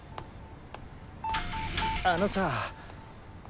あのさ。